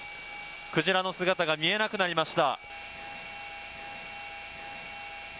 クジラの姿が見えなくなりました。